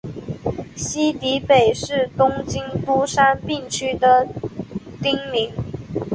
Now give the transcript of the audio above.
西荻北是东京都杉并区的町名。